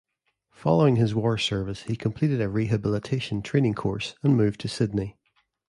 Following his war service he completed a Rehabilitation Training course and moved to Sydney.